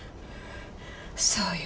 そうよ。